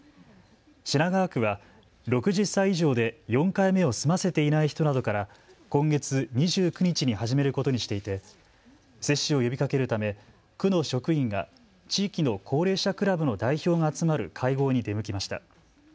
品川区は６０歳以上で４回目を済ませていない人などから今月２９日に始めることにしていて接種を呼びかけるため区の職員が地域の高齢者クラブの代表が集まる会合に出向きました。